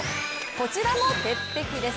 こちらも鉄壁です。